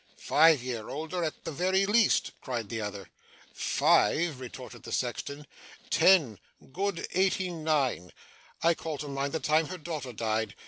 'Five year older at the very least!' cried the other. 'Five!' retorted the sexton. 'Ten. Good eighty nine. I call to mind the time her daughter died.